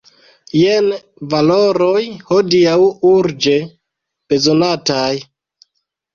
Jen valoroj hodiaŭ urĝe bezonataj!